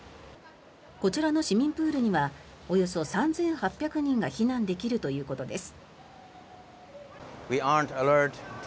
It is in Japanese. こちらの市民プールにはおよそ３８００人が避難できるということです。